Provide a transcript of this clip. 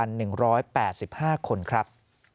ขอบคุณครับ